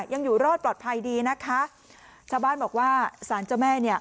ยังอยู่รอดปลอดภัยดีนะคะชาวบ้านบอกว่าสารเจ้าแม่เนี่ย